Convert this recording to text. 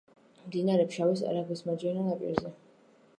მდინარე ფშავის არაგვის მარჯვენა ნაპირზე.